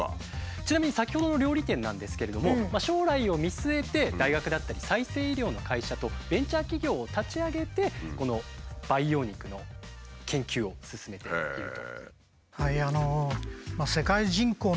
ちなみに先ほどの料理店なんですけれども将来を見据えて大学だったり再生医療の会社とベンチャー企業を立ち上げてこの培養肉の研究を進めていると。